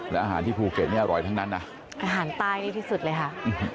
แล้วอาหารที่ภูเก็ตนี่อร่อยทั้งนั้นนะอาหารใต้นี่ที่สุดเลยค่ะ